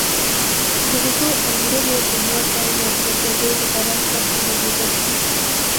د غوټو وړلو په نیت راووت، پر اوږو یې د باران څاڅکي لګېدل.